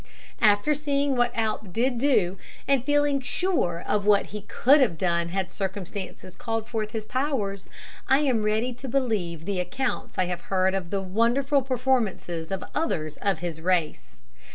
After seeing what Alp did do, and feeling sure of what he could have done had circumstances called forth his powers, I am ready to believe the accounts I have heard of the wonderful performances of others of his race.